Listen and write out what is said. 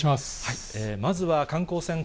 まずは観光船